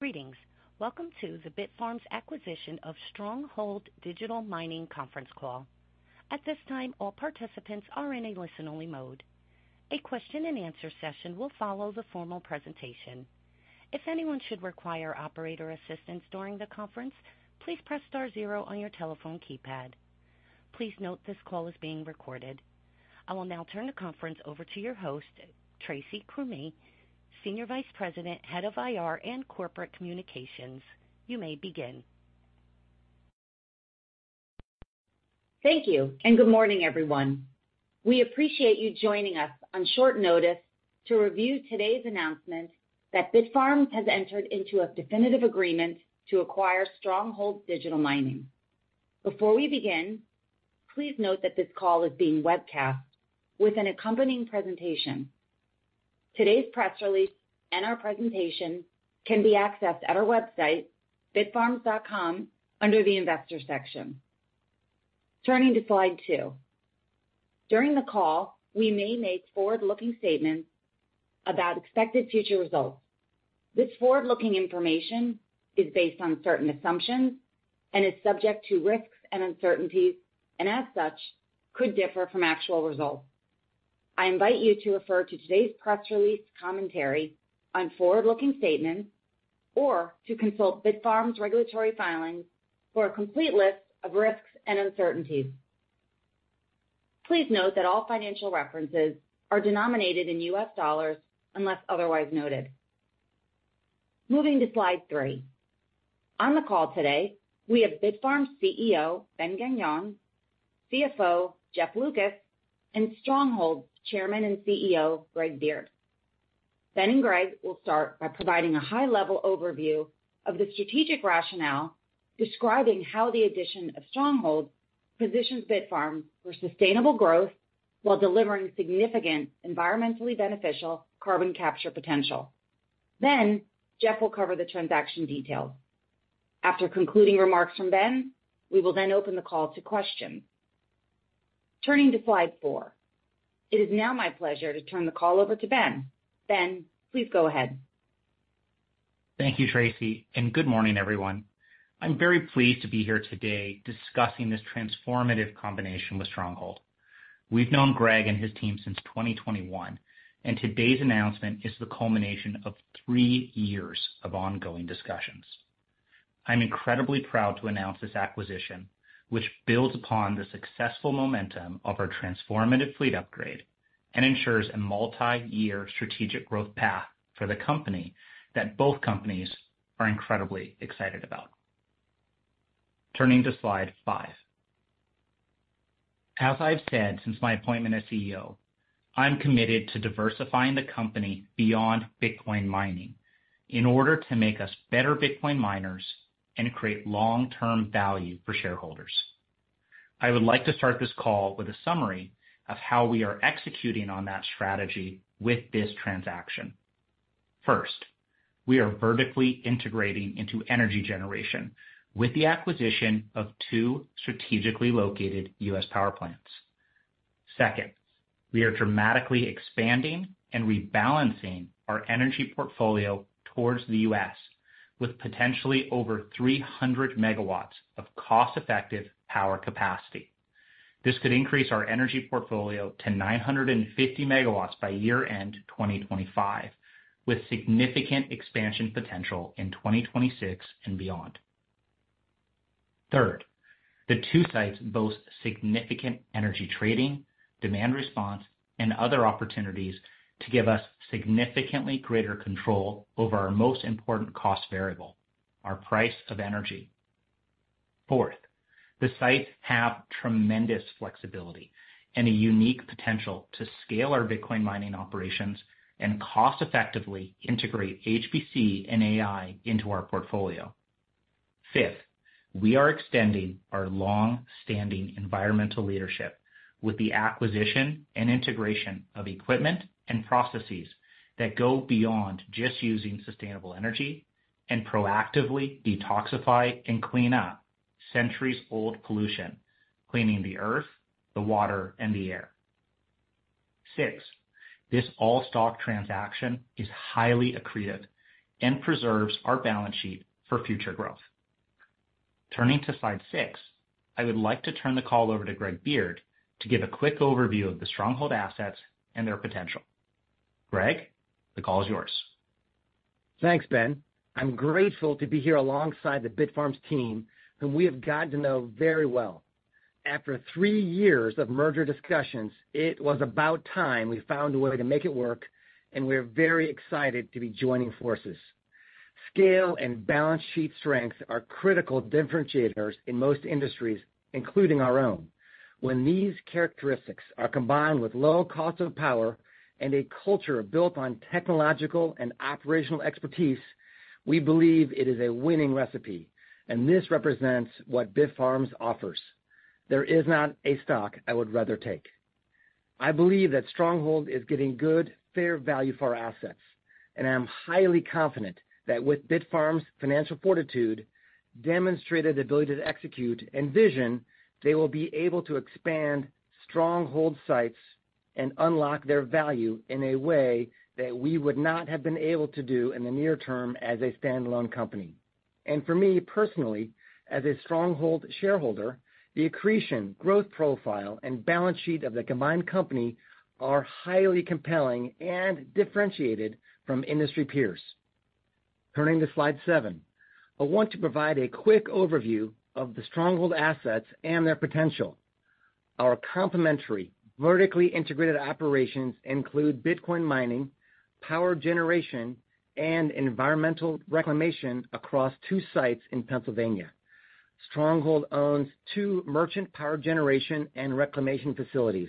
Greetings. Welcome to the Bitfarms Acquisition of Stronghold Digital Mining Conference Call. At this time, all participants are in a listen-only mode. A question and answer session will follow the formal presentation. If anyone should require operator assistance during the conference, please press star zero on your telephone keypad. Please note this call is being recorded. I will now turn the conference over to your host, Tracy Krumme, Senior Vice President, Head of IR and Corporate Communications. You may begin. Thank you, and good morning, everyone. We appreciate you joining us on short notice to review today's announcement that Bitfarms has entered into a definitive agreement to acquire Stronghold Digital Mining. Before we begin, please note that this call is being webcast with an accompanying presentation. Today's press release and our presentation can be accessed at our website, bitfarms.com, under the investor section. Turning to Slide 2. During the call, we may make forward-looking statements about expected future results. This forward-looking information is based on certain assumptions and is subject to risks and uncertainties, and as such, could differ from actual results. I invite you to refer to today's press release commentary on forward-looking statements or to consult Bitfarms' regulatory filings for a complete list of risks and uncertainties. Please note that all financial references are denominated in U.S. dollars, unless otherwise noted. Moving to Slide 3. On the call today, we have Bitfarms' CEO, Ben Gagnon, CFO, Jeff Lucas, and Stronghold's Chairman and CEO, Greg Beard. Ben and Greg will start by providing a high-level overview of the strategic rationale, describing how the addition of Stronghold positions Bitfarms for sustainable growth while delivering significant environmentally beneficial carbon capture potential. Then, Jeff will cover the transaction details. After concluding remarks from Ben, we will then open the call to questions. Turning to Slide 4, it is now my pleasure to turn the call over to Ben. Ben, please go ahead. Thank you, Tracy, and good morning, everyone. I'm very pleased to be here today discussing this transformative combination with Stronghold. We've known Greg and his team since 2021, and today's announcement is the culmination of three years of ongoing discussions. I'm incredibly proud to announce this acquisition, which builds upon the successful momentum of our transformative fleet upgrade and ensures a multi-year strategic growth path for the company that both companies are incredibly excited about. Turning to Slide 5. As I've said since my appointment as CEO, I'm committed to diversifying the company beyond Bitcoin mining in order to make us better Bitcoin miners and create long-term value for shareholders. I would like to start this call with a summary of how we are executing on that strategy with this transaction. First, we are vertically integrating into energy generation with the acquisition of two strategically located U.S. power plants. Second, we are dramatically expanding and rebalancing our energy portfolio towards the U.S., with potentially over 300 MW of cost-effective power capacity. This could increase our energy portfolio to 950 MW by year-end 2025, with significant expansion potential in 2026 and beyond. Third, the two sites boast significant energy trading, demand response, and other opportunities to give us significantly greater control over our most important cost variable, our price of energy. Fourth, the sites have tremendous flexibility and a unique potential to scale our Bitcoin mining operations and cost-effectively integrate HPC and AI into our portfolio. Fifth, we are extending our long-standing environmental leadership with the acquisition and integration of equipment and processes that go beyond just using sustainable energy and proactively detoxify and clean up centuries-old pollution, cleaning the earth, the water, and the air. Six, this all-stock transaction is highly accretive and preserves our balance sheet for future growth. Turning to Slide 6, I would like to turn the call over to Greg Beard to give a quick overview of the Stronghold assets and their potential. Greg, the call is yours. Thanks, Ben. I'm grateful to be here alongside the Bitfarms team, whom we have gotten to know very well. After three years of merger discussions, it was about time we found a way to make it work, and we're very excited to be joining forces. Scale and balance sheet strengths are critical differentiators in most industries, including our own. When these characteristics are combined with low cost of power and a culture built on technological and operational expertise, we believe it is a winning recipe, and this represents what Bitfarms offers. There is not a stock I would rather take. I believe that Stronghold is getting good, fair value for our assets, and I'm highly confident that with Bitfarms' financial fortitude, demonstrated ability to execute, and vision, they will be able to expand Stronghold sites-... and unlock their value in a way that we would not have been able to do in the near term as a standalone company. For me personally, as a Stronghold shareholder, the accretion, growth profile, and balance sheet of the combined company are highly compelling and differentiated from industry peers. Turning to Slide 7. I want to provide a quick overview of the Stronghold assets and their potential. Our complementary, vertically integrated operations include Bitcoin mining, power generation, and environmental reclamation across two sites in Pennsylvania. Stronghold owns two merchant power generation and reclamation facilities,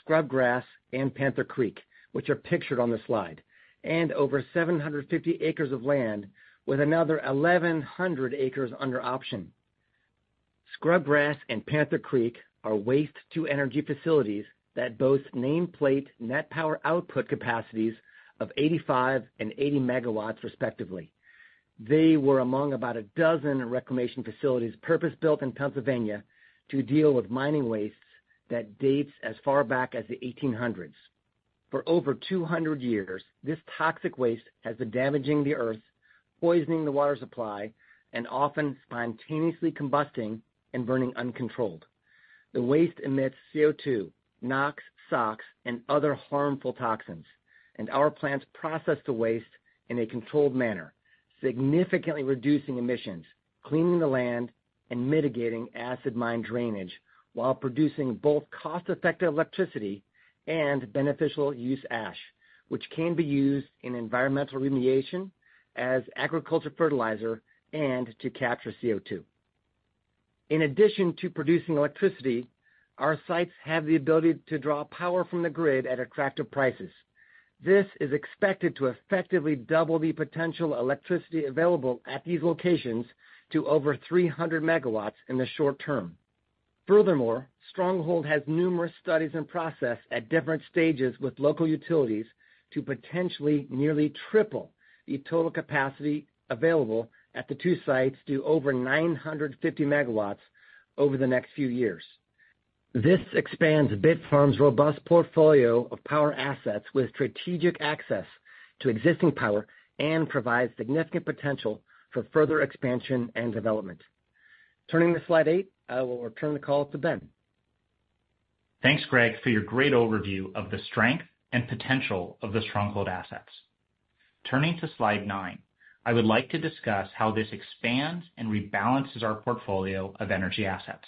Scrubgrass and Panther Creek, which are pictured on the slide, and over 750 acres of land, with another 1,100 acres under option. Scrubgrass and Panther Creek are waste-to-energy facilities that boast nameplate net power output capacities of 85 and 80 MW, respectively. They were among about a dozen reclamation facilities purpose-built in Pennsylvania to deal with mining waste that dates as far back as the 1800s. For over 200 years, this toxic waste has been damaging the earth, poisoning the water supply, and often spontaneously combusting and burning uncontrolled. The waste emits CO2, NOx, SOx, and other harmful toxins, and our plants process the waste in a controlled manner, significantly reducing emissions, cleaning the land, and mitigating acid mine drainage while producing both cost-effective electricity and beneficial use ash, which can be used in environmental remediation, as agriculture fertilizer, and to capture CO2. In addition to producing electricity, our sites have the ability to draw power from the grid at attractive prices. This is expected to effectively double the potential electricity available at these locations to over 300 MW in the short term. Furthermore, Stronghold has numerous studies in process at different stages with local utilities to potentially nearly triple the total capacity available at the two sites to over 950 MW over the next few years. This expands Bitfarms' robust portfolio of power assets with strategic access to existing power and provides significant potential for further expansion and development. Turning to Slide 8, I will return the call to Ben. Thanks, Greg, for your great overview of the strength and potential of the Stronghold assets. Turning to Slide 9, I would like to discuss how this expands and rebalances our portfolio of energy assets.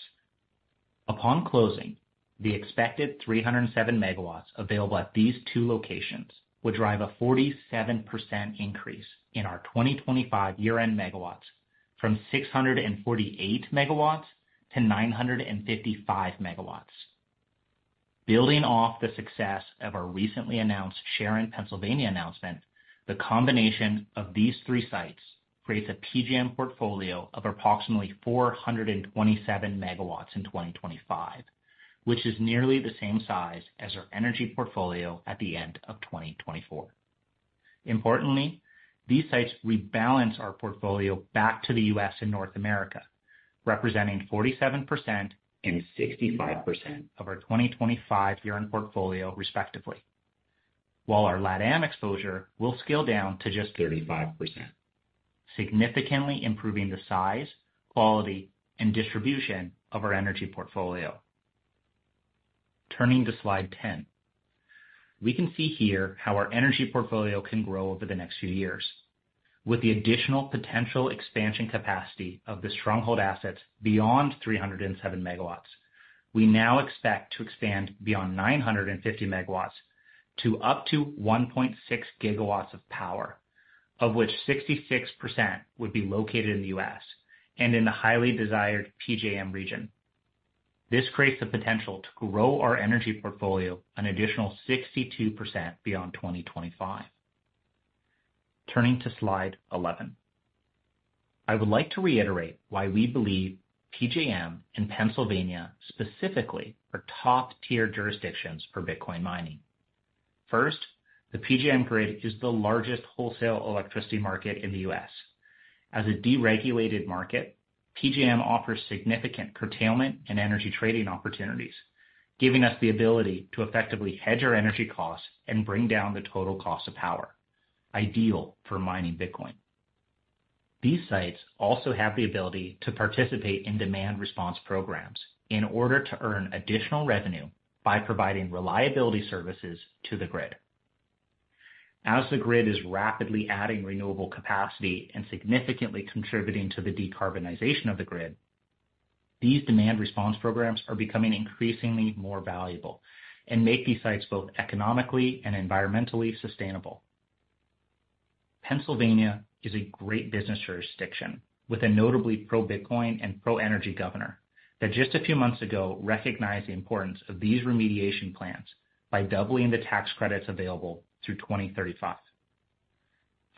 Upon closing, the expected 307 MW available at these two locations will drive a 47% increase in our 2025 year-end megawatts from 648 MW - 955 MW. Building off the success of our recently announced Sharon, Pennsylvania, announcement, the combination of these three sites creates a PJM portfolio of approximately 427 MW in 2025, which is nearly the same size as our energy portfolio at the end of 2024. Importantly, these sites rebalance our portfolio back to the U.S. and North America, representing 47% and 65% of our 2025 year-end portfolio, respectively, while our LATAM exposure will scale down to just 35%, significantly improving the size, quality, and distribution of our energy portfolio. Turning to Slide 10. We can see here how our energy portfolio can grow over the next few years. With the additional potential expansion capacity of the Stronghold assets beyond 307 MW, we now expect to expand beyond 950 MW to up to 1.6 GW of power, of which 66% would be located in the U.S. and in the highly desired PJM region. This creates the potential to grow our energy portfolio an additional 62% beyond 2025. Turning to Slide 11. I would like to reiterate why we believe PJM and Pennsylvania specifically are top-tier jurisdictions for Bitcoin mining. First, the PJM grid is the largest wholesale electricity market in the U.S. As a deregulated market, PJM offers significant curtailment and energy trading opportunities, giving us the ability to effectively hedge our energy costs and bring down the total cost of power, ideal for mining Bitcoin. These sites also have the ability to participate in demand response programs in order to earn additional revenue by providing reliability services to the grid. As the grid is rapidly adding renewable capacity and significantly contributing to the decarbonization of the grid, these demand response programs are becoming increasingly more valuable and make these sites both economically and environmentally sustainable. Pennsylvania is a great business jurisdiction, with a notably pro-Bitcoin and pro-energy governor, that just a few months ago recognized the importance of these remediation plans by doubling the tax credits available through 2035.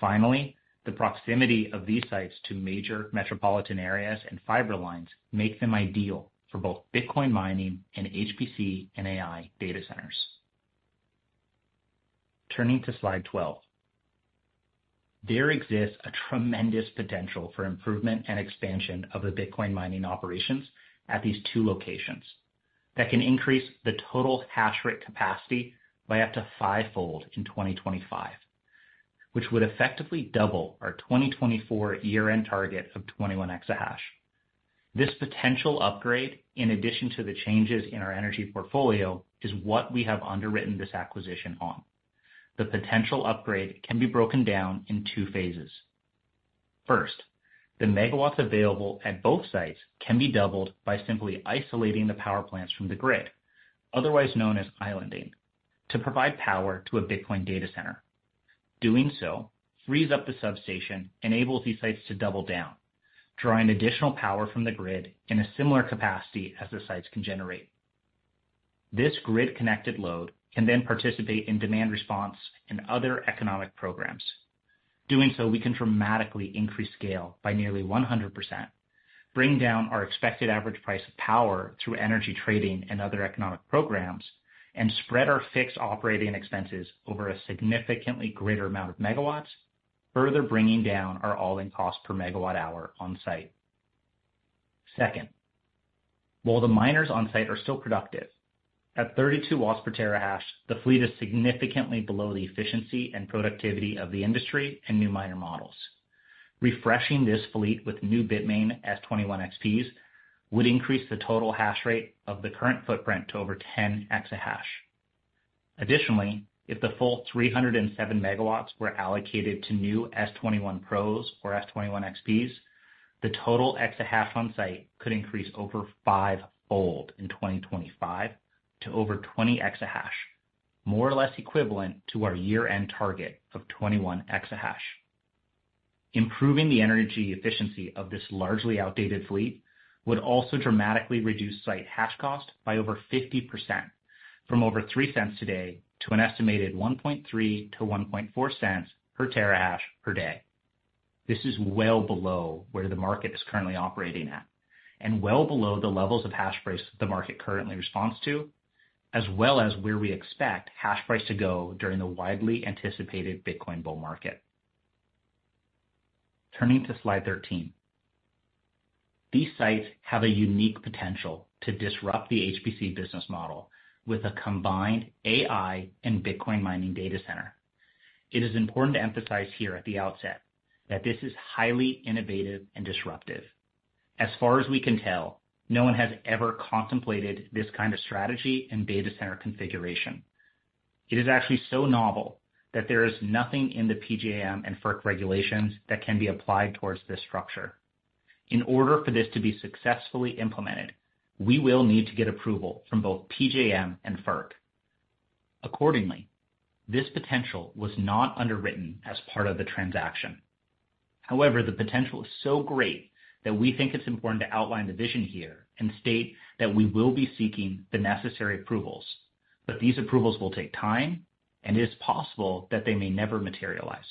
Finally, the proximity of these sites to major metropolitan areas and fiber lines make them ideal for both Bitcoin mining and HPC and AI data centers. Turning to Slide 12. There exists a tremendous potential for improvement and expansion of the Bitcoin mining operations at these two locations that can increase the total hash rate capacity by up to fivefold in 2025, which would effectively double our 2024 year-end target of 21 exahash. This potential upgrade, in addition to the changes in our energy portfolio, is what we have underwritten this acquisition on. The potential upgrade can be broken down in two phases. First, the megawatts available at both sites can be doubled by simply isolating the power plants from the grid, otherwise known as islanding, to provide power to a Bitcoin data center. Doing so frees up the substation, enables these sites to double down, drawing additional power from the grid in a similar capacity as the sites can generate. This grid-connected load can then participate in demand response and other economic programs. Doing so, we can dramatically increase scale by nearly 100%, bring down our expected average price of power through energy trading and other economic programs, and spread our fixed operating expenses over a significantly greater amount of megawatts, further bringing down our all-in cost per megawatt hour on site. Second, while the miners on site are still productive, at 32 watts per terahash, the fleet is significantly below the efficiency and productivity of the industry and new miner models. Refreshing this fleet with new Bitmain S21 XPs would increase the total hash rate of the current footprint to over 10 exahash. Additionally, if the full 307 MW were allocated to new S21 Pros or S21 XPs, the total exahash on site could increase over fivefold in 2025 to over 20 exahash, more or less equivalent to our year-end target of 21 exahash. Improving the energy efficiency of this largely outdated fleet would also dramatically reduce site hash cost by over 50%, from over $0.03 today to an estimated $0.013-$0.014 per terahash per day. This is well below where the market is currently operating at, and well below the levels of hash price the market currently responds to, as well as where we expect hash price to go during the widely anticipated Bitcoin bull market. Turning to Slide 13. These sites have a unique potential to disrupt the HPC business model with a combined AI and Bitcoin mining data center. It is important to emphasize here at the outset that this is highly innovative and disruptive. As far as we can tell, no one has ever contemplated this kind of strategy and data center configuration. It is actually so novel that there is nothing in the PJM and FERC regulations that can be applied towards this structure. In order for this to be successfully implemented, we will need to get approval from both PJM and FERC. Accordingly, this potential was not underwritten as part of the transaction. However, the potential is so great that we think it's important to outline the vision here and state that we will be seeking the necessary approvals, but these approvals will take time, and it is possible that they may never materialize.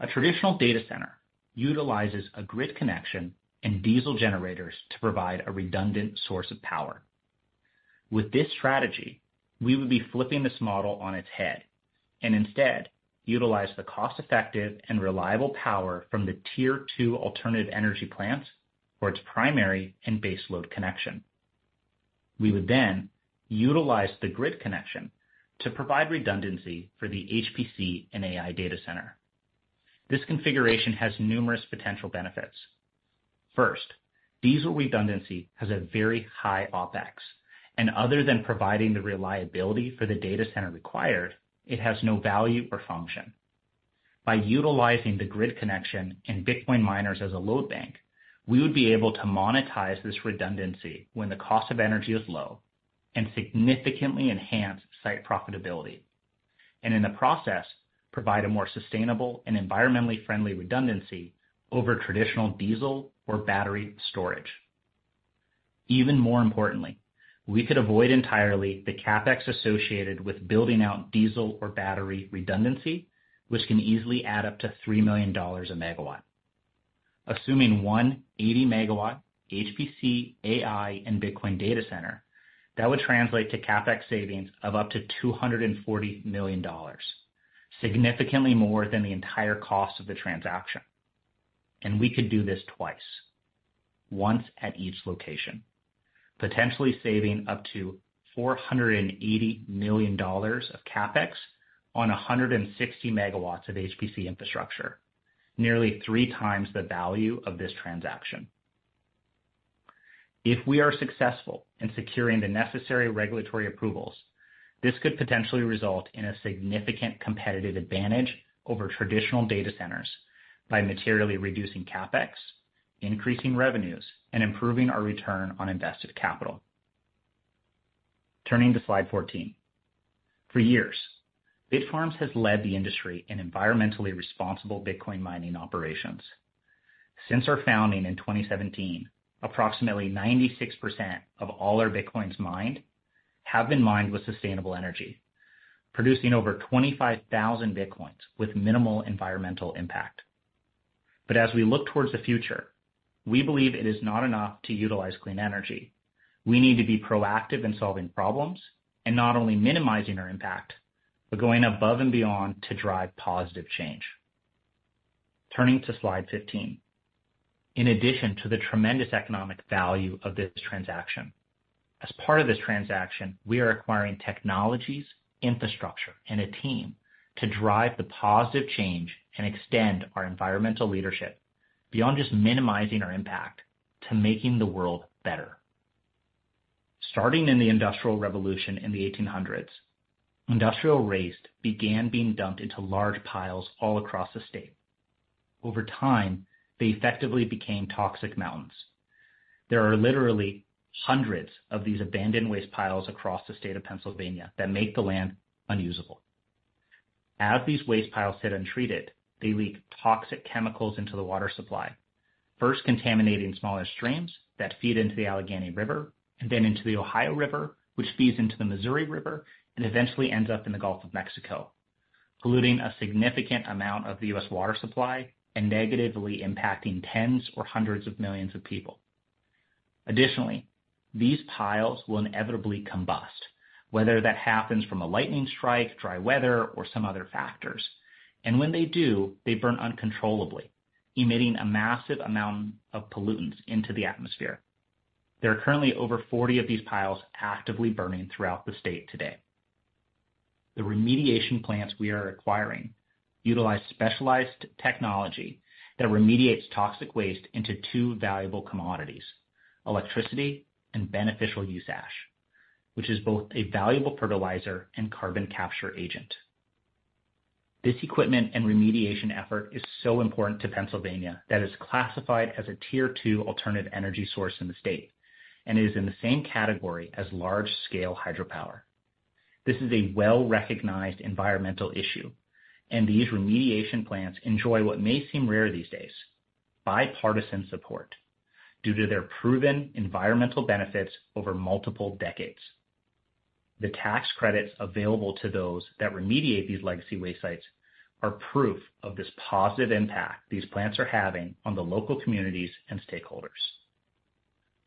A traditional data center utilizes a grid connection and diesel generators to provide a redundant source of power. With this strategy, we would be flipping this model on its head and instead utilize the cost-effective and reliable power from the Tier II alternative energy plants for its primary and base load connection. We would then utilize the grid connection to provide redundancy for the HPC and AI data center. This configuration has numerous potential benefits. First, diesel redundancy has a very high OpEx, and other than providing the reliability for the data center required, it has no value or function. By utilizing the grid connection and Bitcoin miners as a load bank, we would be able to monetize this redundancy when the cost of energy is low and significantly enhance site profitability, and in the process, provide a more sustainable and environmentally friendly redundancy over traditional diesel or battery storage. Even more importantly, we could avoid entirely the CapEx associated with building out diesel or battery redundancy, which can easily add up to $3 million per MW. Assuming 180 MW HPC, AI, and Bitcoin data center, that would translate to CapEx savings of up to $240 million, significantly more than the entire cost of the transaction. We could do this twice, once at each location, potentially saving up to $480 million of CapEx on 160 MW of HPC infrastructure, nearly 3x the value of this transaction. If we are successful in securing the necessary regulatory approvals, this could potentially result in a significant competitive advantage over traditional data centers by materially reducing CapEx, increasing revenues, and improving our return on invested capital. Turning to Slide 14. For years, Bitfarms has led the industry in environmentally responsible Bitcoin mining operations. Since our founding in 2017, approximately 96% of all our Bitcoins mined have been mined with sustainable energy, producing over 25,000 Bitcoins with minimal environmental impact. But as we look toward the future, we believe it is not enough to utilize clean energy. We need to be proactive in solving problems and not only minimizing our impact, but going above and beyond to drive positive change. Turning to slide 15. In addition to the tremendous economic value of this transaction, as part of this transaction, we are acquiring technologies, infrastructure, and a team to drive the positive change and extend our environmental leadership beyond just minimizing our impact to making the world better. Starting in the Industrial Revolution in the 1800s, industrial waste began being dumped into large piles all across the state. Over time, they effectively became toxic mountains. There are literally hundreds of these abandoned waste piles across the state of Pennsylvania that make the land unusable. As these waste piles sit untreated, they leak toxic chemicals into the water supply, first contaminating smaller streams that feed into the Allegheny River and then into the Ohio River, which feeds into the Missouri River and eventually ends up in the Gulf of Mexico, polluting a significant amount of the U.S. water supply and negatively impacting tens or hundreds of millions of people. Additionally, these piles will inevitably combust, whether that happens from a lightning strike, dry weather, or some other factors, and when they do, they burn uncontrollably, emitting a massive amount of pollutants into the atmosphere. There are currently over 40 of these piles actively burning throughout the state today. The remediation plants we are acquiring utilize specialized technology that remediates toxic waste into two valuable commodities: electricity and beneficial use ash, which is both a valuable fertilizer and carbon capture agent. This equipment and remediation effort is so important to Pennsylvania that it's classified as a Tier II alternative energy source in the state and is in the same category as large-scale hydropower. This is a well-recognized environmental issue, and these remediation plants enjoy what may seem rare these days, bipartisan support, due to their proven environmental benefits over multiple decades. The tax credits available to those that remediate these legacy waste sites are proof of this positive impact these plants are having on the local communities and stakeholders.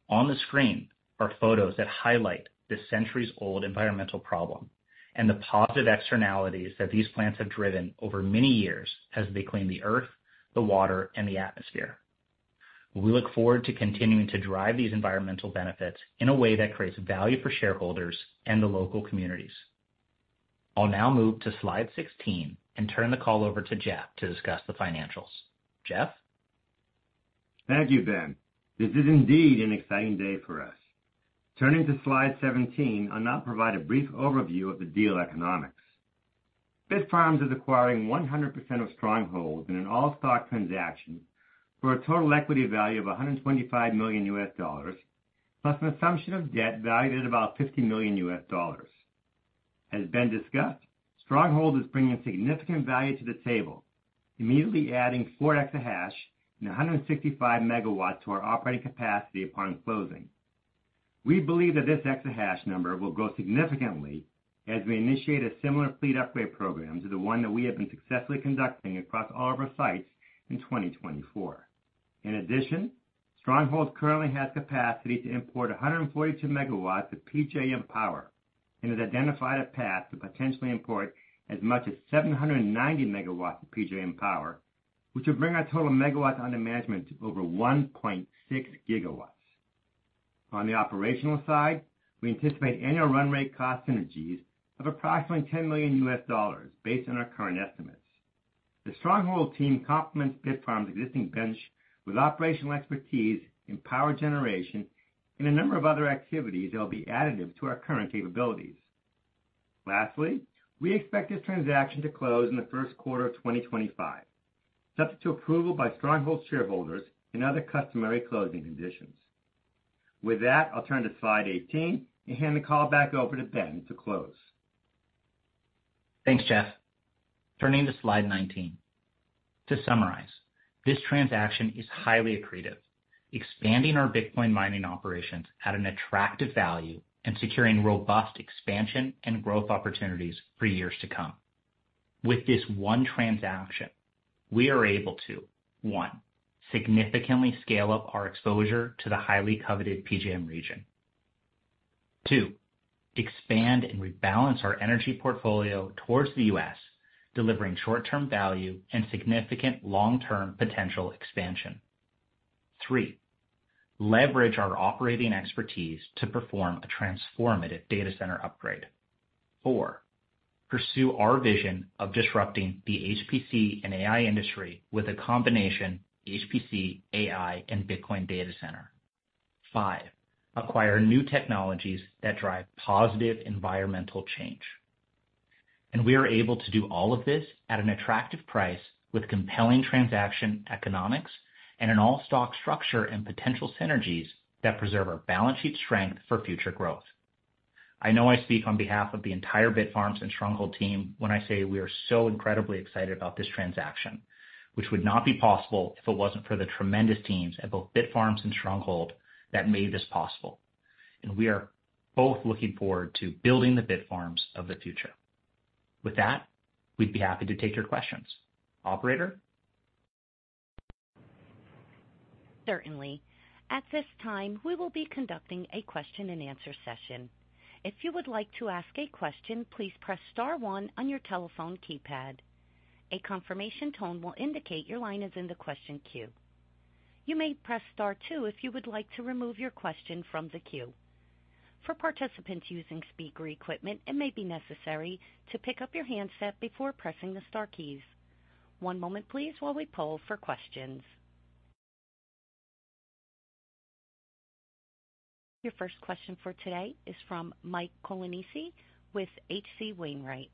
On the screen are photos that highlight this centuries-old environmental problem and the positive externalities that these plants have driven over many years as they clean the earth, the water, and the atmosphere. We look forward to continuing to drive these environmental benefits in a way that creates value for shareholders and the local communities. I'll now move to Slide 16 and turn the call over to Jeff to discuss the financials. Jeff? Thank you, Ben. This is indeed an exciting day for us. Turning to Slide 17, I'll now provide a brief overview of the deal economics. Bitfarms is acquiring 100% of Stronghold in an all-stock transaction for a total equity value of $125 million, plus an assumption of debt valued at about $50 million. As Ben discussed, Stronghold is bringing significant value to the table, immediately adding 4 exahash and 165 MW to our operating capacity upon closing. We believe that this exahash number will grow significantly as we initiate a similar fleet upgrade program to the one that we have been successfully conducting across all of our sites in 2024. In addition, Stronghold currently has capacity to import 142 MW of PJM power and has identified a path to potentially import as much as 790 MW of PJM power, which will bring our total megawatts under management to over 1.6 GW. On the operational side, we anticipate annual run rate cost synergies of approximately $10 million based on our current estimates. The Stronghold team complements Bitfarms' existing bench with operational expertise in power generation and a number of other activities that will be additive to our current capabilities. Lastly, we expect this transaction to close in the first quarter of 2025, subject to approval by Stronghold's shareholders and other customary closing conditions. With that, I'll turn to Slide 18 and hand the call back over to Ben to close. Thanks, Jeff. Turning to Slide 19. To summarize, this transaction is highly accretive, expanding our Bitcoin mining operations at an attractive value and securing robust expansion and growth opportunities for years to come. With this one transaction, we are able to, one, significantly scale up our exposure to the highly coveted PJM region. Two, expand and rebalance our energy portfolio towards the U.S., delivering short-term value and significant long-term potential expansion. Three, leverage our operating expertise to perform a transformative data center upgrade. Four, pursue our vision of disrupting the HPC and AI industry with a combination HPC, AI, and Bitcoin data center. Five, acquire new technologies that drive positive environmental change. And we are able to do all of this at an attractive price with compelling transaction economics and an all-stock structure and potential synergies that preserve our balance sheet strength for future growth. I know I speak on behalf of the entire Bitfarms and Stronghold team when I say we are so incredibly excited about this transaction, which would not be possible if it wasn't for the tremendous teams at both Bitfarms and Stronghold that made this possible, and we are both looking forward to building the Bitfarms of the future… With that, we'd be happy to take your questions. Operator? Certainly. At this time, we will be conducting a question and answer session. If you would like to ask a question, please press star one on your telephone keypad. A confirmation tone will indicate your line is in the question queue. You may press star two if you would like to remove your question from the queue. For participants using speaker equipment, it may be necessary to pick up your handset before pressing the star keys. One moment please, while we poll for questions. Your first question for today is from Mike Colonnese with H.C. Wainwright.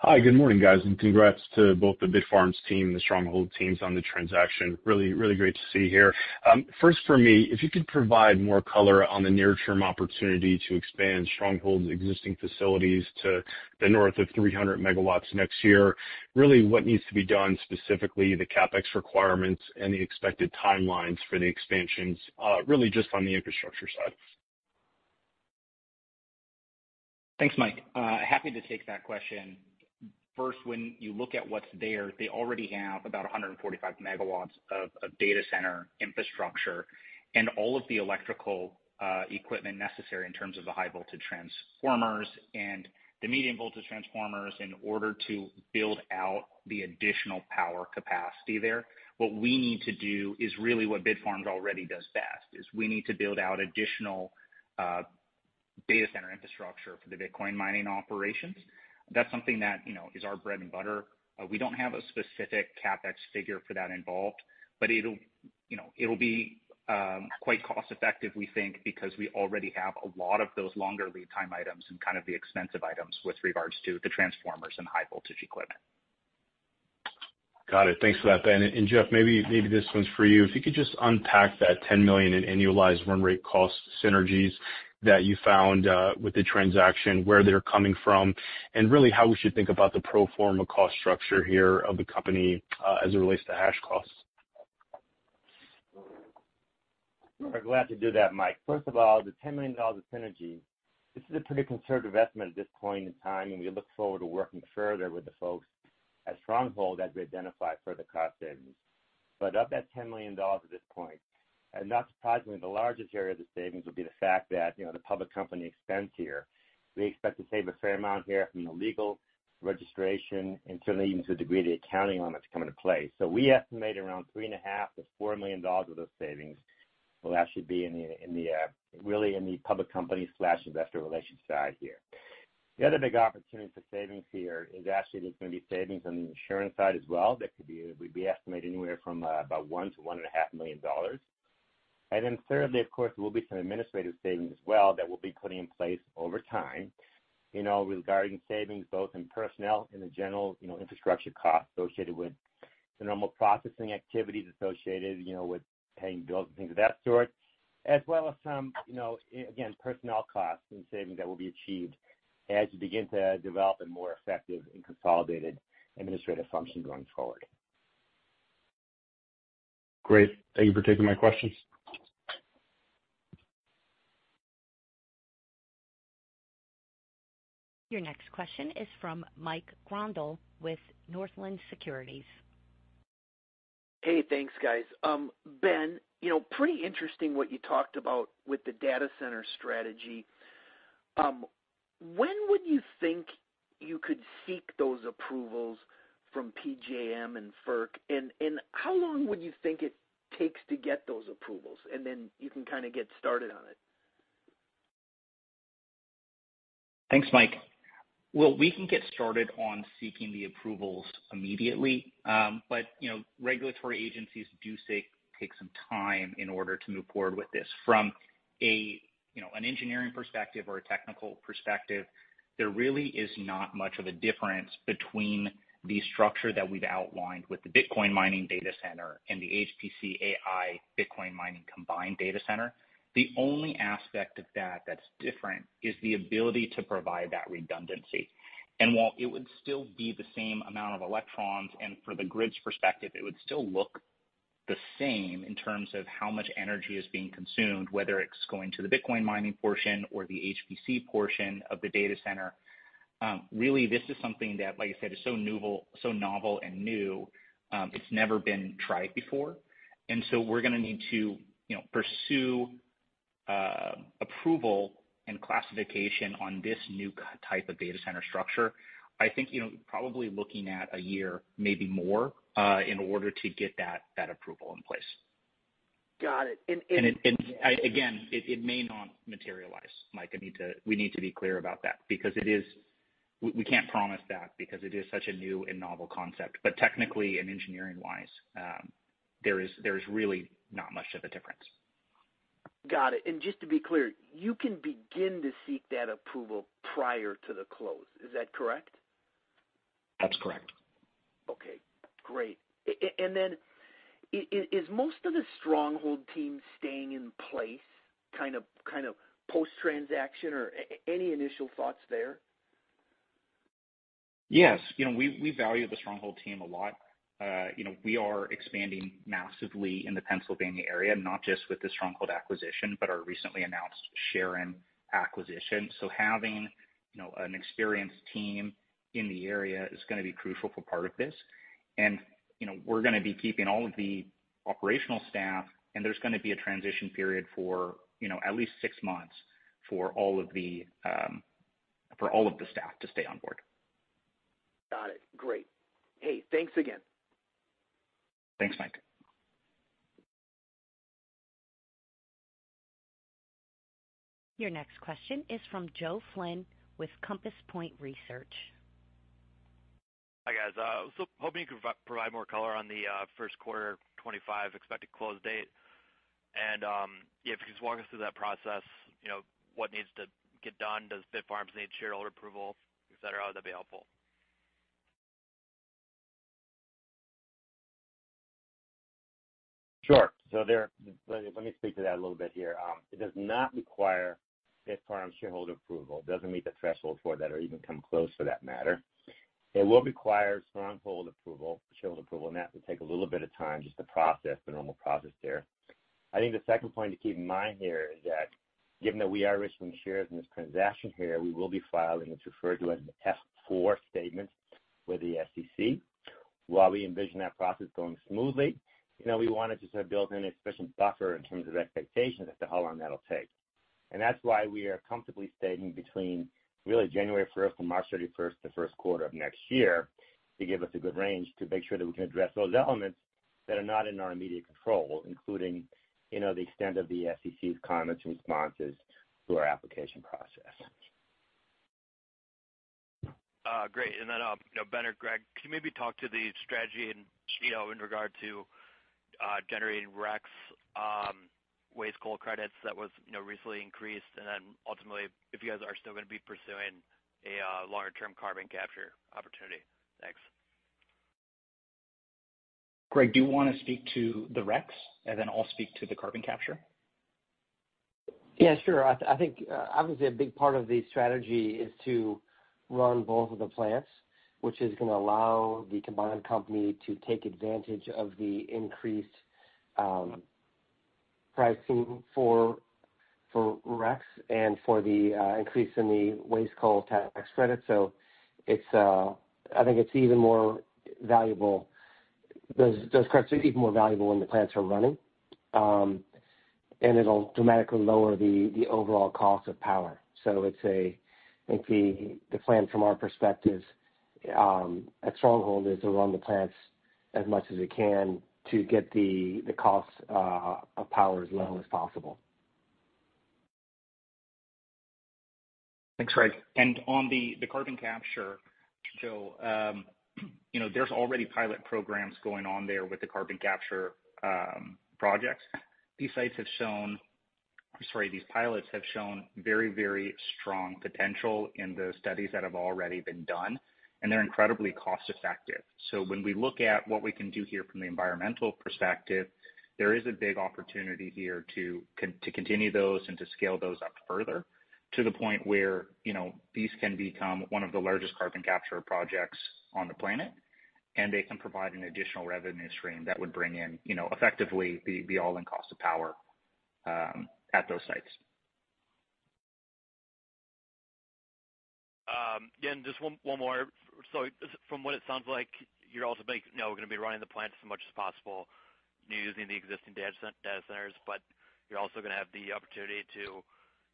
Hi, good morning, guys, and congrats to both the Bitfarms team and the Stronghold teams on the transaction. Really, really great to see here. First for me, if you could provide more color on the near-term opportunity to expand Stronghold's existing facilities to north of 300 MW next year. Really, what needs to be done, specifically the CapEx requirements and the expected timelines for the expansions, really just on the infrastructure side? Thanks, Mike. Happy to take that question. First, when you look at what's there, they already have about 145 MW of data center infrastructure and all of the electrical equipment necessary in terms of the high voltage transformers and the medium voltage transformers in order to build out the additional power capacity there. What we need to do is really what Bitfarms already does best, is we need to build out additional data center infrastructure for the Bitcoin mining operations. That's something that, you know, is our bread and butter. We don't have a specific CapEx figure for that involved, but it'll, you know, it'll be quite cost effective, we think, because we already have a lot of those longer lead time items and kind of the expensive items with regards to the transformers and high voltage equipment. Got it. Thanks for that, Ben. And Jeff, maybe this one's for you. If you could just unpack that $10 million in annualized run rate cost synergies that you found with the transaction, where they're coming from, and really how we should think about the pro forma cost structure here of the company as it relates to hash costs. I'm glad to do that, Mike. First of all, the $10 million of synergy, this is a pretty conservative estimate at this point in time, and we look forward to working further with the folks at Stronghold as we identify further cost savings. But of that $10 million at this point, and not surprisingly, the largest area of the savings will be the fact that, you know, the public company expense here. We expect to save a fair amount here from the legal registration and certainly even to a degree, the accounting limits come into play. So we estimate around $3.5 million-$4 million of those savings will actually be in the, really in the public company/investor relations side here. The other big opportunity for savings here is actually there's going to be savings on the insurance side as well. That could be we estimate anywhere from about $1 million - $1.5 million. And then thirdly, of course, there will be some administrative savings as well that we'll be putting in place over time, you know, regarding savings both in personnel and the general, you know, infrastructure costs associated with the normal processing activities associated, you know, with paying bills and things of that sort, as well as some, you know, again, personnel costs and savings that will be achieved as you begin to develop a more effective and consolidated administrative function going forward. Great. Thank you for taking my questions. Your next question is from Mike Grondahl with Northland Securities. Hey, thanks, guys. Ben, you know, pretty interesting what you talked about with the data center strategy. When would you think you could seek those approvals from PJM and FERC? And how long would you think it takes to get those approvals, and then you can kind of get started on it? Thanks, Mike. We can get started on seeking the approvals immediately, but, you know, regulatory agencies do take some time in order to move forward with this. From a, you know, an engineering perspective or a technical perspective, there really is not much of a difference between the structure that we've outlined with the Bitcoin mining data center and the HPC AI Bitcoin mining combined data center. The only aspect of that that's different is the ability to provide that redundancy. And while it would still be the same amount of electrons, and for the grid's perspective, it would still look the same in terms of how much energy is being consumed, whether it's going to the Bitcoin mining portion or the HPC portion of the data center, really, this is something that, like I said, is so novel and new, it's never been tried before. And so we're gonna need to, you know, pursue approval and classification on this new kind of type of data center structure. I think, you know, probably looking at a year, maybe more, in order to get that approval in place. Got it. And again, it may not materialize. Mike, I need to. We need to be clear about that because it is. We can't promise that because it is such a new and novel concept. But technically and engineering-wise, there's really not much of a difference. Got it. And just to be clear, you can begin to seek that approval prior to the close. Is that correct? That's correct. Okay, great. And then, is most of the Stronghold team staying in place, kind of post-transaction, or any initial thoughts there?... Yes, you know, we value the Stronghold team a lot. You know, we are expanding massively in the Pennsylvania area, not just with the Stronghold acquisition, but our recently announced Sharon acquisition, so having, you know, an experienced team in the area is gonna be crucial for part of this, and you know, we're gonna be keeping all of the operational staff, and there's gonna be a transition period for, you know, at least six months for all of the staff to stay on board. Got it. Great. Hey, thanks again. Thanks, Mike. Your next question is from Joe Flynn with Compass Point Research. Hi, guys. So hoping you could provide more color on the first quarter 2025 expected close date, and yeah, if you could just walk us through that process, you know, what needs to get done? Does Bitfarms need shareholder approval, et cetera? That'd be helpful. Sure. So let me speak to that a little bit here. It does not require Bitfarms shareholder approval. It doesn't meet the threshold for that or even come close for that matter. It will require Stronghold shareholder approval, and that will take a little bit of time just to process the normal process there. I think the second point to keep in mind here is that given that we are issuing shares in this transaction here, we will be filing what's referred to as an F-4 statement with the SEC. While we envision that process going smoothly, you know, we want to just sort of build in an efficient buffer in terms of expectations as to how long that'll take. That's why we are comfortably stating between really January first and March 31st, the first quarter of next year, to give us a good range to make sure that we can address those elements that are not in our immediate control, including, you know, the extent of the SEC's comments and responses to our application process. Great. And then, you know, Ben or Greg, can you maybe talk to the strategy and, you know, in regard to generating RECs, waste coal credits that was, you know, recently increased, and then ultimately, if you guys are still gonna be pursuing a longer-term carbon capture opportunity? Thanks. Greg, do you want to speak to the RECs, and then I'll speak to the carbon capture? Yeah, sure. I think, obviously, a big part of the strategy is to run both of the plants, which is gonna allow the combined company to take advantage of the increased pricing for RECs and for the increase in the waste coal tax credit. So it's, I think it's even more valuable. Those credits are even more valuable when the plants are running. And it'll dramatically lower the overall cost of power. So I would say, I think the plan from our perspective, at Stronghold, is to run the plants as much as we can to get the cost of power as low as possible. Thanks, Greg. And on the carbon capture, Joe, you know, there's already pilot programs going on there with the carbon capture projects. These sites have shown... Sorry, these pilots have shown very, very strong potential in the studies that have already been done, and they're incredibly cost-effective. So when we look at what we can do here from the environmental perspective, there is a big opportunity here to continue those and to scale those up further to the point where, you know, these can become one of the largest carbon capture projects on the planet, and they can provide an additional revenue stream that would bring in, you know, effectively the all-in cost of power at those sites. Again, just one more. So from what it sounds like, now we're gonna be running the plant as much as possible, using the existing data centers, but you're also gonna have the opportunity to,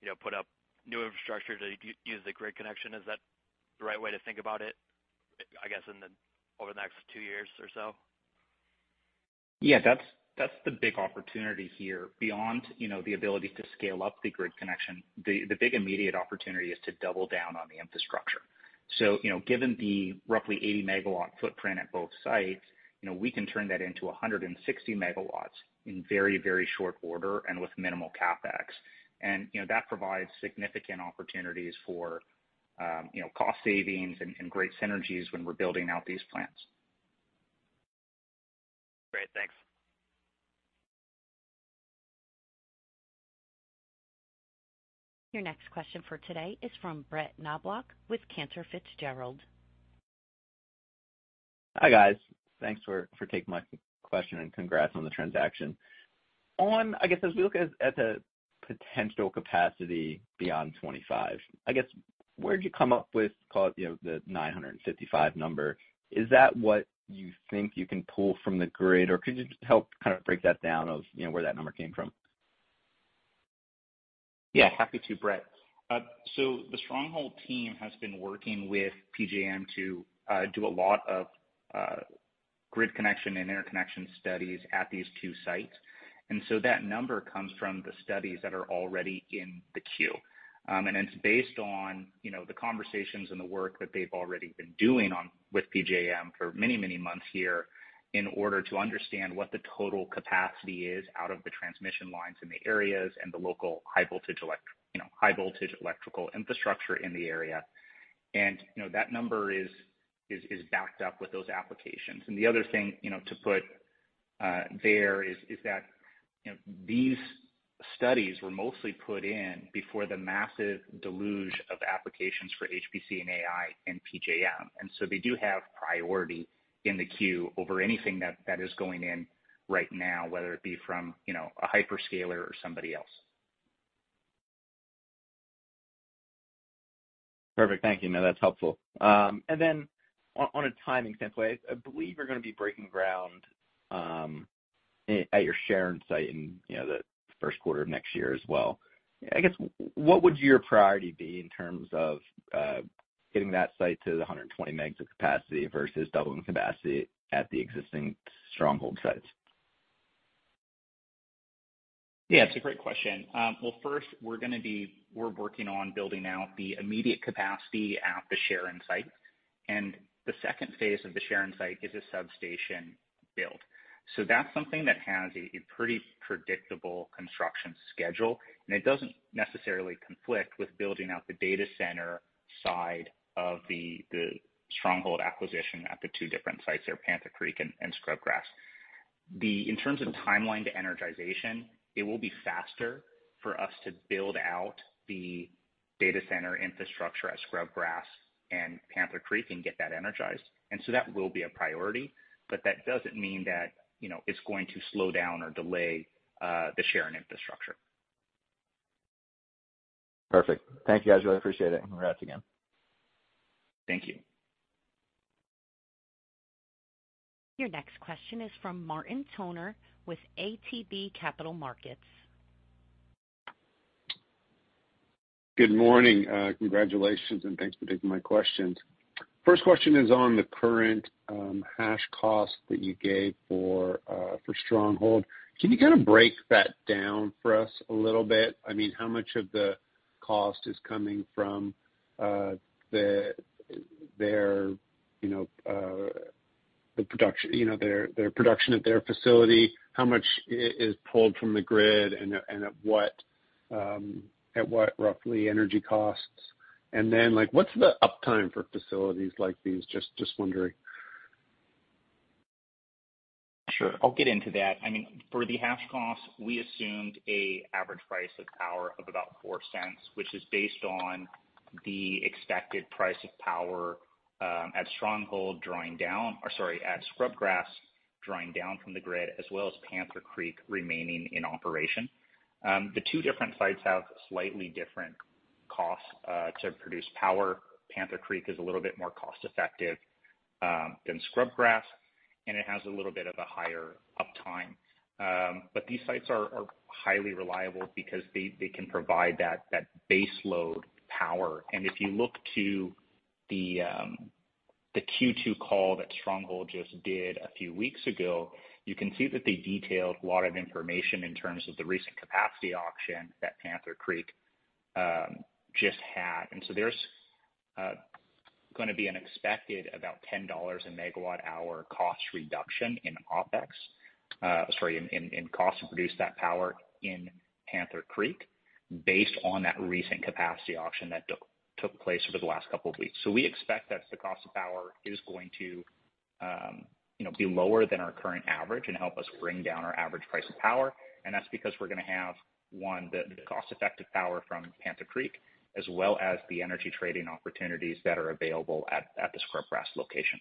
you know, put up new infrastructure to use the grid connection. Is that the right way to think about it, I guess, in the, over the next two years or so? Yeah, that's the big opportunity here. Beyond you know, the ability to scale up the grid connection, the big immediate opportunity is to double down on the infrastructure, so you know, given the roughly 80 MW footprint at both sites, you know, we can turn that into 160 MW in very, very short order and with minimal CapEx, and you know, that provides significant opportunities for you know, cost savings and great synergies when we're building out these plants. Great. Thanks. Your next question for today is from Brett Knoblauch with Cantor Fitzgerald. Hi, guys. Thanks for taking my question and congrats on the transaction. On. I guess, as we look at the potential capacity beyond 25, I guess, where'd you come up with, call it, you know, the 955 number? Is that what you think you can pull from the grid, or could you just help kind of break that down of, you know, where that number came from? Yeah, happy to, Brett. So the Stronghold team has been working with PJM to do a lot of grid connection and interconnection studies at these two sites, and so that number comes from the studies that are already in the queue. And it's based on, you know, the conversations and the work that they've already been doing with PJM for many, many months here in order to understand what the total capacity is out of the transmission lines in the areas and the local high voltage electrical infrastructure in the area. And, you know, that number is backed up with those applications. And the other thing, you know, to put-... you know, these studies were mostly put in before the massive deluge of applications for HPC and AI and PJM, and so they do have priority in the queue over anything that is going in right now, whether it be from, you know, a hyperscaler or somebody else. Perfect. Thank you. No, that's helpful. And then on a timing standpoint, I believe you're gonna be breaking ground at your Sharon site in, you know, the first quarter of next year as well. I guess, what would your priority be in terms of getting that site to the 120 megs of capacity versus doubling capacity at the existing Stronghold sites? Yeah, it's a great question. Well, first, we're working on building out the immediate capacity at the Sharon site, and the second phase of the Sharon site is a substation build. So that's something that has a pretty predictable construction schedule, and it doesn't necessarily conflict with building out the data center side of the Stronghold acquisition at the two different sites there, Panther Creek and Scrubgrass. Then, in terms of timeline to energization, it will be faster for us to build out the data center infrastructure at Scrubgrass and Panther Creek and get that energized, and so that will be a priority, but that doesn't mean that, you know, it's going to slow down or delay the Sharon infrastructure. Perfect. Thank you, guys. I really appreciate it. Congrats again. Thank you. Your next question is from Martin Toner with ATB Capital Markets. Good morning. Congratulations, and thanks for taking my questions. First question is on the current hash cost that you gave for Stronghold. Can you kind of break that down for us a little bit? I mean, how much of the cost is coming from their production at their facility? How much is pulled from the grid, and at what roughly energy costs? And then, like, what's the uptime for facilities like these? Just wondering. Sure, I'll get into that. I mean, for the hash cost, we assumed an average price of power of about four cents, which is based on the expected price of power at Stronghold, or sorry, at Scrubgrass, drawing down from the grid, as well as Panther Creek remaining in operation. The two different sites have slightly different costs to produce power. Panther Creek is a little bit more cost effective than Scrubgrass, and it has a little bit of a higher uptime. But these sites are highly reliable because they can provide that base load power. If you look to the Q2 call that Stronghold just did a few weeks ago, you can see that they detailed a lot of information in terms of the recent capacity auction that Panther Creek just had. There's gonna be an expected about $10 a MWH cost reduction in OpEx, sorry, in cost to produce that power in Panther Creek, based on that recent capacity auction that took place over the last couple of weeks. We expect that the cost of power is going to, you know, be lower than our current average and help us bring down our average price of power, and that's because we're gonna have the cost-effective power from Panther Creek, as well as the energy trading opportunities that are available at the Scrubgrass location.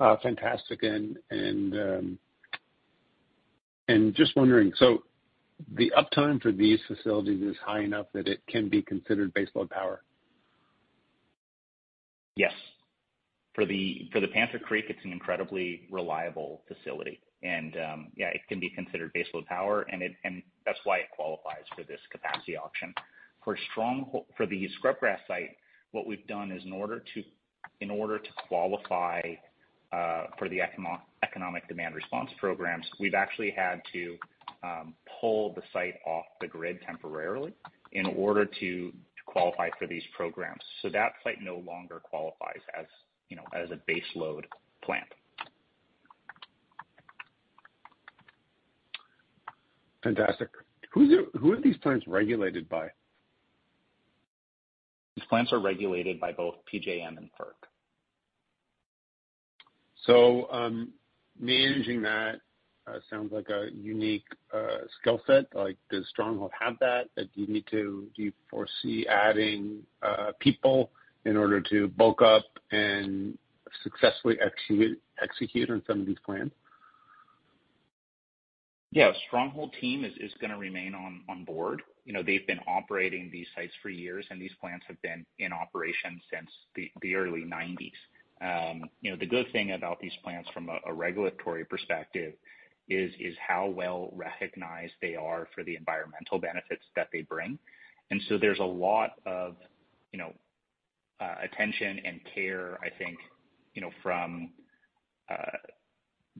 Fantastic. Just wondering, so the uptime for these facilities is high enough that it can be considered base load power? Yes. For the Panther Creek, it's an incredibly reliable facility, and, yeah, it can be considered base load power, and that's why it qualifies for this capacity auction. For the Scrubgrass site, what we've done is in order to qualify for the economic demand response programs, we've actually had to pull the site off the grid temporarily in order to qualify for these programs. So that site no longer qualifies as, you know, as a base load plant. Fantastic. Who are these plants regulated by? These plants are regulated by both PJM and FERC. Managing that sounds like a unique skill set, like, does Stronghold have that? Like, do you foresee adding people in order to bulk up and successfully execute on some of these plans? Yeah. Stronghold team is gonna remain on board. You know, they've been operating these sites for years, and these plants have been in operation since the early 1990s. You know, the good thing about these plants from a regulatory perspective is how well recognized they are for the environmental benefits that they bring. And so there's a lot of, you know, attention and care, I think, you know, from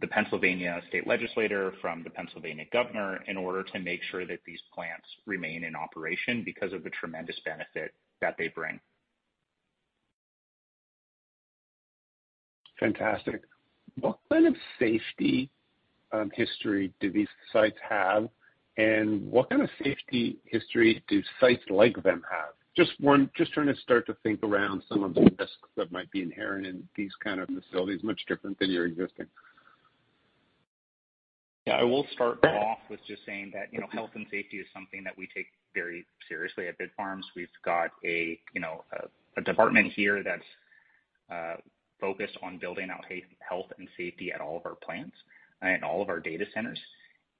the Pennsylvania state legislator, from the Pennsylvania governor, in order to make sure that these plants remain in operation because of the tremendous benefit that they bring. Fantastic. What kind of safety history do these sites have? And what kind of safety history do sites like them have? Just trying to start to think around some of the risks that might be inherent in these kind of facilities, much different than your existing. Yeah, I will start off with just saying that, you know, health and safety is something that we take very seriously at Bitfarms. We've got a, you know, a department here that's focused on building out health and safety at all of our plants and all of our data centers.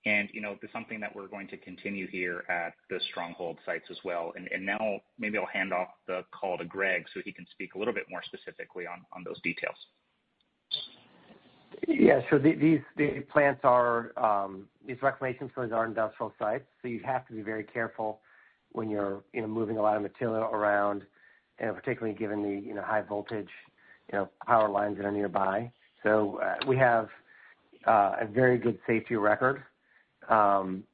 And, you know, it's something that we're going to continue here at the Stronghold sites as well. And now, maybe I'll hand off the call to Greg, so he can speak a little bit more specifically on those details. Yeah, so these, the plants are these reclamation facilities are industrial sites, so you have to be very careful when you're, you know, moving a lot of material around, and particularly given the, you know, high voltage, you know, power lines that are nearby. So, we have a very good safety record, and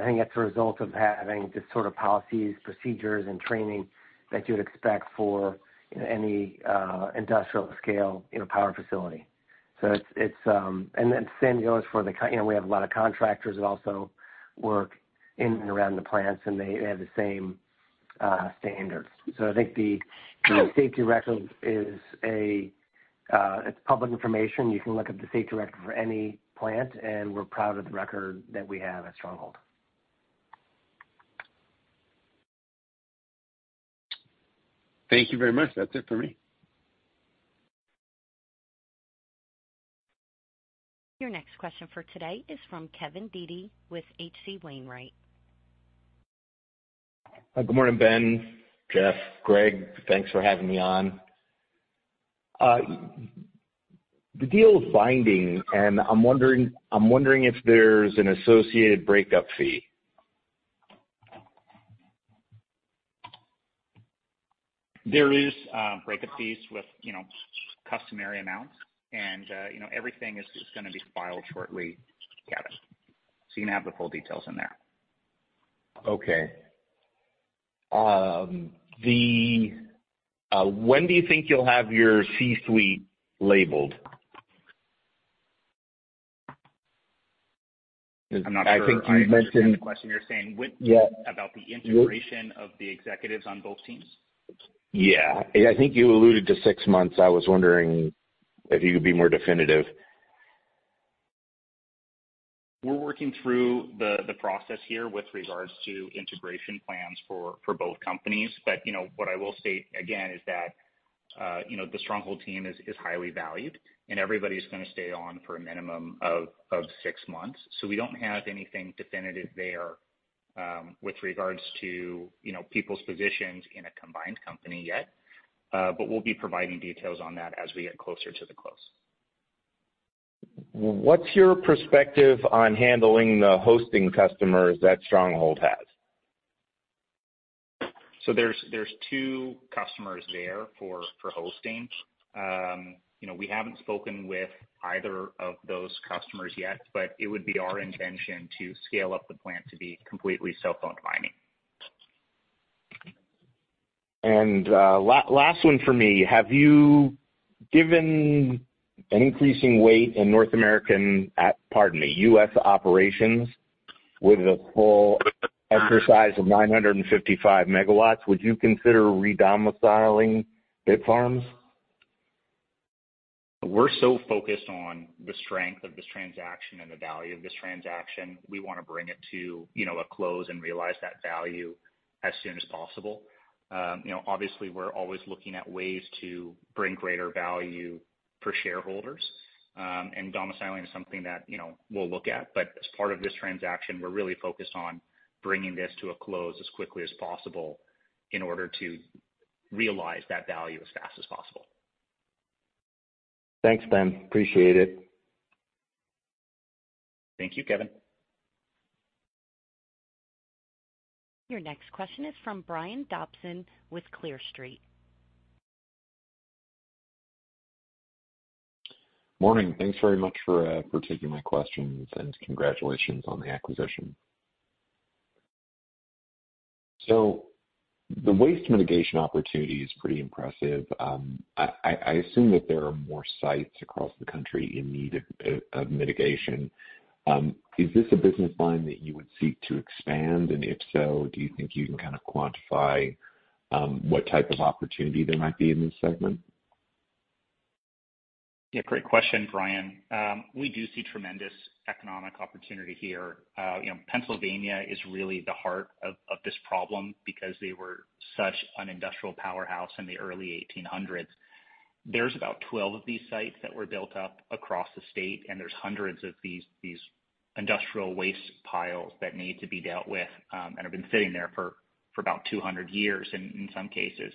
I think that's a result of having the sort of policies, procedures, and training that you'd expect for, you know, any industrial scale, you know, power facility. So it's it. And then the same goes for the contractors. You know, we have a lot of contractors that also work in and around the plants, and they have the same standards. So I think the safety record is, it's public information. You can look up the safety record for any plant, and we're proud of the record that we have at Stronghold. Thank you very much. That's it for me. Your next question for today is from Kevin Dede with H.C. Wainwright. Good morning, Ben, Jeff, Greg. Thanks for having me on. The deal is binding, and I'm wondering if there's an associated breakup fee? There is breakup fees with, you know, customary amounts, and, you know, everything is gonna be filed shortly, Kevin. So you're gonna have the full details in there. Okay. When do you think you'll have your C-suite labeled? I'm not sure I understand the question. I think you mentioned- You're saying when- Yeah About the integration of the executives on both teams? Yeah. I think you alluded to six months. I was wondering if you could be more definitive. We're working through the process here with regards to integration plans for both companies. But, you know, what I will state again is that, you know, the Stronghold team is highly valued, and everybody's gonna stay on for a minimum of six months. So we don't have anything definitive there, with regards to, you know, people's positions in a combined company yet. But we'll be providing details on that as we get closer to the close. What's your perspective on handling the hosting customers that Stronghold has? So there's two customers there for hosting. You know, we haven't spoken with either of those customers yet, but it would be our intention to scale up the plan to be completely self-mining. Last one for me. Have you given an increasing weight in North American, pardon me, US operations with a full exercise of 955 MW? Would you consider re-domiciling Bitfarms? We're so focused on the strength of this transaction and the value of this transaction. We want to bring it to, you know, a close and realize that value as soon as possible. You know, obviously, we're always looking at ways to bring greater value for shareholders, and domiciling is something that, you know, we'll look at, but as part of this transaction, we're really focused on bringing this to a close as quickly as possible in order to realize that value as fast as possible. Thanks, Ben. Appreciate it. Thank you, Kevin. Your next question is from Brian Dobson with Clear Street. Morning. Thanks very much for taking my questions, and congratulations on the acquisition. So the waste mitigation opportunity is pretty impressive. I assume that there are more sites across the country in need of mitigation. Is this a business line that you would seek to expand? And if so, do you think you can kind of quantify what type of opportunity there might be in this segment? Yeah, great question, Brian. We do see tremendous economic opportunity here. You know, Pennsylvania is really the heart of this problem because they were such an industrial powerhouse in the early 1800s. There's about 12 of these sites that were built up across the state, and there's hundreds of these industrial waste piles that need to be dealt with, and have been sitting there for about 200 years in some cases.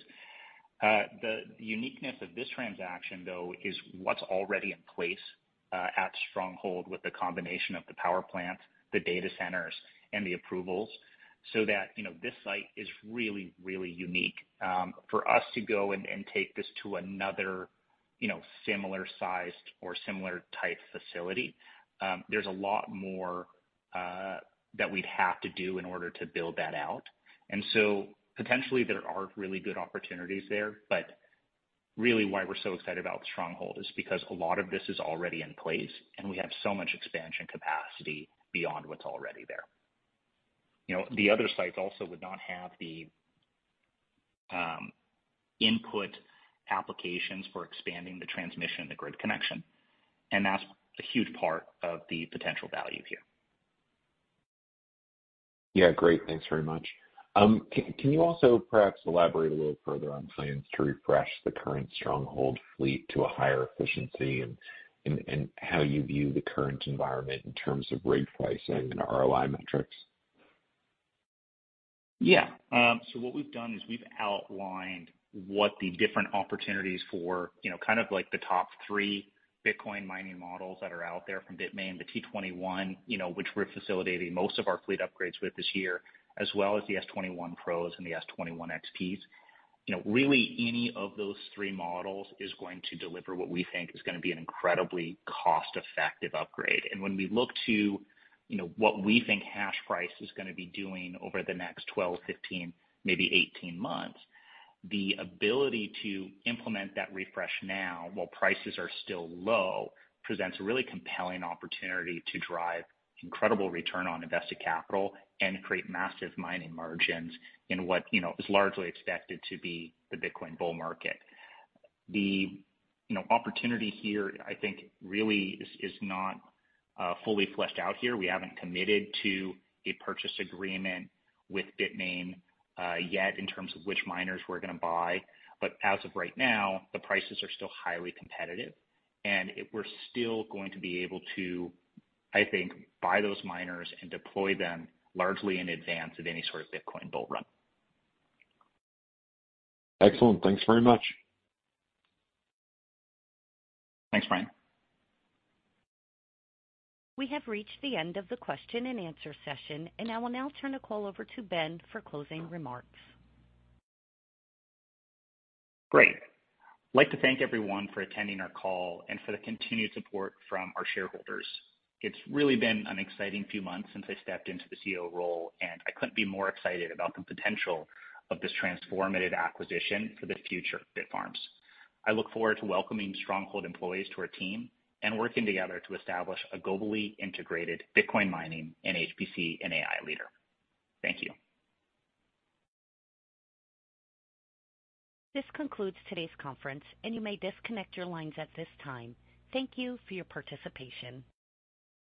The uniqueness of this transaction, though, is what's already in place at Stronghold with the combination of the power plant, the data centers, and the approvals, so that, you know, this site is really, really unique. For us to go and take this to another, you know, similar-sized or similar-type facility, there's a lot more that we'd have to do in order to build that out. And so potentially there are really good opportunities there, but really why we're so excited about Stronghold is because a lot of this is already in place, and we have so much expansion capacity beyond what's already there. You know, the other sites also would not have the input applications for expanding the transmission, the grid connection, and that's a huge part of the potential value here. Yeah, great. Thanks very much. Can you also perhaps elaborate a little further on plans to refresh the current Stronghold fleet to a higher efficiency and how you view the current environment in terms of rate pricing and ROI metrics? Yeah. So what we've done is we've outlined what the different opportunities for, you know, kind of like the top three Bitcoin mining models that are out there from Bitmain, the T21, you know, which we're facilitating most of our fleet upgrades with this year, as well as the S21 Pros and the S21 XPs. You know, really any of those three models is going to deliver what we think is gonna be an incredibly cost-effective upgrade, and when we look to, you know, what we think hash price is gonna be doing over the next twelve, fifteen, maybe eighteen months, the ability to implement that refresh now, while prices are still low, presents a really compelling opportunity to drive incredible return on invested capital and create massive mining margins in what, you know, is largely expected to be the Bitcoin bull market. The, you know, opportunity here, I think, really is not fully fleshed out here. We haven't committed to a purchase agreement with Bitmain yet in terms of which miners we're gonna buy, but as of right now, the prices are still highly competitive, and we're still going to be able to, I think, buy those miners and deploy them largely in advance of any sort of Bitcoin bull run. Excellent. Thanks very much. Thanks, Brian. We have reached the end of the question and answer session, and I will now turn the call over to Ben for closing remarks. Great. I'd like to thank everyone for attending our call and for the continued support from our shareholders. It's really been an exciting few months since I stepped into the CEO role, and I couldn't be more excited about the potential of this transformative acquisition for the future of Bitfarms. I look forward to welcoming Stronghold employees to our team and working together to establish a globally integrated Bitcoin mining and HPC and AI leader. Thank you. This concludes today's conference, and you may disconnect your lines at this time. Thank you for your participation.